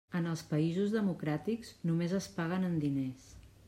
En els països democràtics, només es paguen en diners.